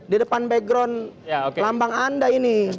di depan background lambang anda ini